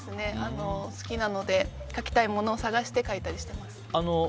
好きなので描きたいものを探して描いたりしてます。